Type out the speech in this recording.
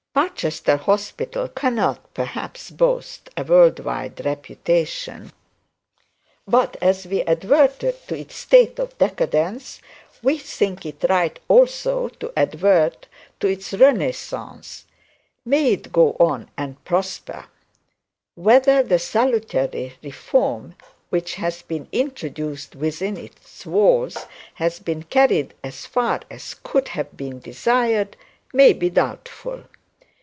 'Barchester hospital cannot perhaps boast a world wide reputation; but as we advertised to its state of decadence, we think it right also to advert to its renaissance. May it go up and prosper. Whether the salutary reform which has been introduced within its walls has been carried as far as could have been desired, may be doubtful.